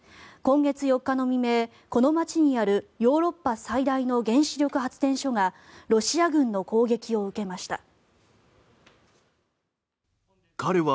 今月４日の未明、この街にあるヨーロッパ最大の原子力発電所がロシア軍の攻撃を受けました。